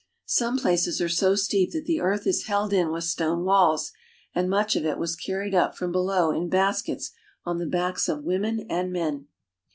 Some places are so steep that the earth is held in with stone walls, and much of it was carried up from below in baskets on the backs of women and men.